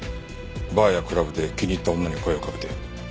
バーやクラブで気に入った女に声をかけて。